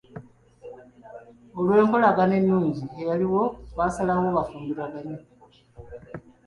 Olw'enkolagana ennungi eyaliwo baasalawo bafumbiriganwe.